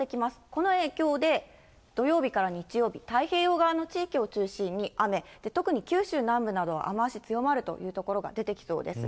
この影響で、土曜日から日曜日、太平洋側の地域を中心に、雨、特に九州南部などは雨足強まるという所が出てきそうです。